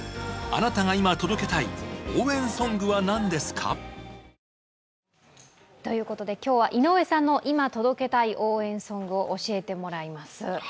あなたがいま届けたい応援ソングは何ですか？ということで今日は井上さんの「いま届けたい応援ソング」をお聞きします。